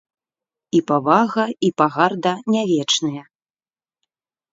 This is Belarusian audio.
І павага, і пагарда не вечныя.